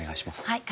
はい。